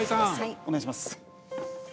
お願いします